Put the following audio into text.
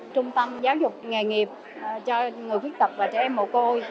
trung tâm giáo dục nghề nghiệp cho người khuyết tật và trẻ em mồ côi